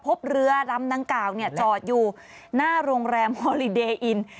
พบเรือลำดังกล่าวจอดอยู่หน้าโรงแรมฮอลิเดยอิน